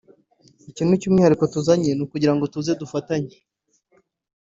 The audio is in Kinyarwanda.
Ikintu cy’umwihariko tuzanye ni ukugira ngo tuze dufatanye